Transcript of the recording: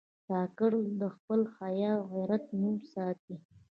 کاکړ د خپل حیا او غیرت نوم ساتي.